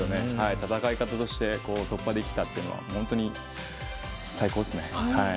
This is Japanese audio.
戦い方として突破できたというのは本当に最高ですね。